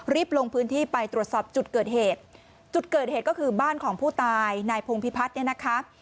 ลงพื้นที่ไปตรวจสอบจุดเกิดเหตุจุดเกิดเหตุก็คือบ้านของผู้ตายนายพงพิพัฒน์เนี่ยนะคะ